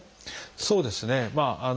そうですね。